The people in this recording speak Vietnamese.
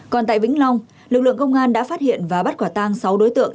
còn tại vĩnh long lực lượng công an đã phát hiện và bắt quả tang sáu đối tượng